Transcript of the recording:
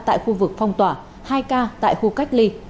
hai ca tại khu vực phong tỏa hai ca tại khu cách ly